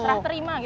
serah terima gitu